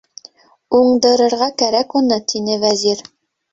Уңдырырға кәрәк уны, - тине Вәзир.